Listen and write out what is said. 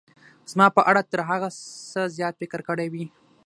زما په اړه تر هغه څه زیات فکر کړی وي.